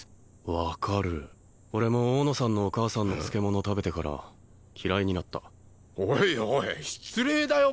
分かる俺も大野さんのお母さんの漬物食べてから嫌いになったおいおい失礼だよ